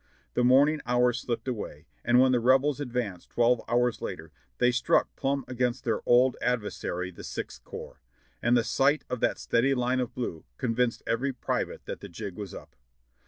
The morning hours slipped away, and when the Rebels ad vanced twelve hours later they struck plum against their old adversary the Sixth Corps, and the sight of that steady Hne of blue convinced every private that the jig was up.